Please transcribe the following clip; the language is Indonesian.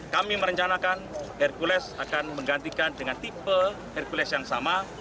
kami merencanakan hercules akan menggantikan dengan tipe hercules yang sama